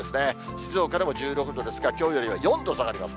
静岡でも１６ですが、きょうよりは４度下がります。